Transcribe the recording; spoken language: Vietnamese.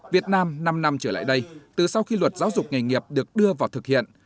việt nam năm năm trở lại đây từ sau khi luật giáo dục nghề nghiệp được đưa vào thực hiện